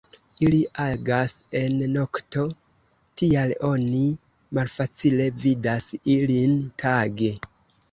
Ili agas en nokto, tial oni malfacile vidas ilin tage.